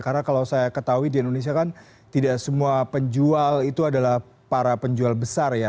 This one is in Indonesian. karena kalau saya ketahui di indonesia kan tidak semua penjual itu adalah para penjual besar ya